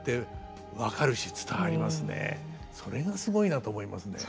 それがすごいなと思いますね。